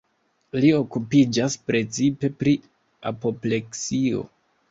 Li okupiĝas precipe pri apopleksio.